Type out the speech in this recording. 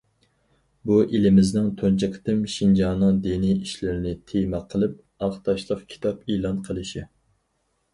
بۇ ئېلىمىزنىڭ تۇنجى قېتىم شىنجاڭنىڭ دىنىي ئىشلىرىنى تېما قىلىپ ئاق تاشلىق كىتاب ئېلان قىلىشى.